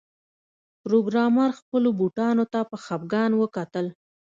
پروګرامر خپلو بوټانو ته په خفګان وکتل